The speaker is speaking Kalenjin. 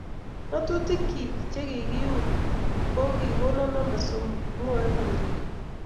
ngatuyik che kikieub ko kikonon namba somok mwoe ako rirei